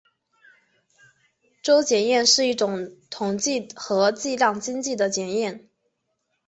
邹检验是一种统计和计量经济的检验。